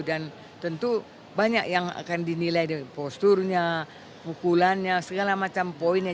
dan tentu banyak yang akan di nilai posturnya pukulannya segala macam poinnya